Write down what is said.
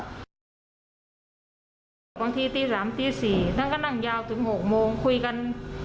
บางทีตี๓ตี๔ท่านก็นั่งยาวถึง๖โมงคุยกัน